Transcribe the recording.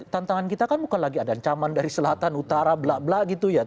tantangan kita kan bukan lagi ada ancaman dari selatan utara bla bla gitu ya